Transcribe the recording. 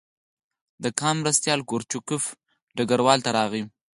د کان مرستیال کروچکوف ډګروال ته راغی